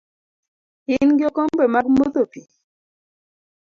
Ingi okombe mag modho pi?